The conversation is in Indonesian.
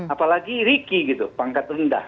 apalagi ricky gitu pangkat rendah